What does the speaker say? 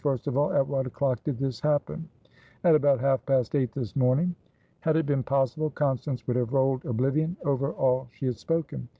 First of all, at what o'clock did this happen?" "At about half past eight this morning." Had it been possible, Constance would have rolled oblivion over all she had spoken.